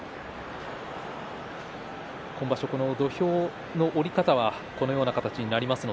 今場所、土俵の降り方はこのような形になります。